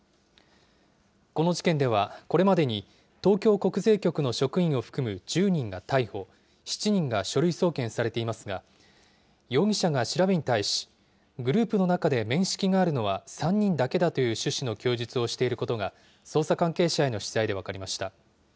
この事件では、これまでに東京国税局の職員を含む１０人が逮捕、７人が書類送検されていますが、容疑者が調べに対し、グループの中で面識があるのは３人だけだという趣旨の供述をしていることが、捜査関係者への取材で分かりました。